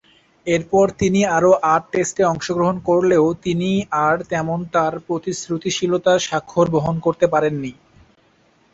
এরপর তিনি আরও আট টেস্টে অংশগ্রহণ করলেও তিনি আর তেমন তার প্রতিশ্রুতিশীলতার স্বাক্ষর বহন করতে পারেননি।